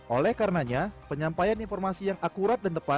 oleh karenanya penyampaian informasi yang akurat dan tepat